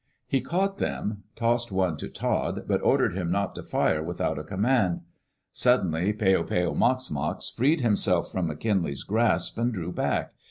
He caught them, tossed one to Todd, but ordered him not to fire widiout a command. Suddenly Peo peo mox mox freed himself from Mc Kinlay's grasp and drew back.